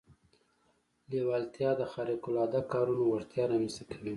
لېوالتیا د خارق العاده کارونو وړتيا رامنځته کوي.